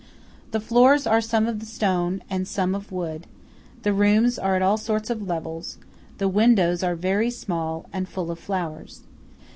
The floors are some of stone and some of wood; the rooms are at all sorts of levels; the windows are very small, and full of flowers.